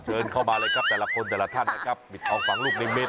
เชิญเข้ามาเลยครับแต่ละคนแต่ละท่านนะครับปิดทองฝังลูกนิมิต